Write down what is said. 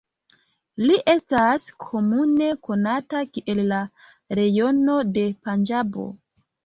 Li estas komune konata kiel la "Leono de Panĝabo".